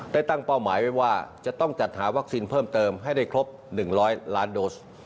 ตั้งเป้าหมายไว้ว่าจะต้องจัดหาวัคซีนเพิ่มเติมให้ได้ครบ๑๐๐ล้านโดส